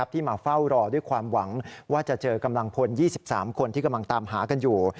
ที่มาเฝ้ารอด้วยความหวังว่าจะเจอกำลังพล๒๓คนที่กำลังตามหากันอยู่